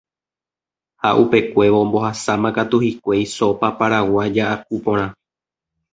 ha upekuévo ombohasámakatu hikuái sopa paraguaya aku porã